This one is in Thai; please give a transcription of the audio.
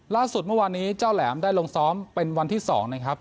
ล่าสุดเมื่อวานนี้เจ้าแหลมได้ลงซ้อมเป็นวันที่๒นะครับ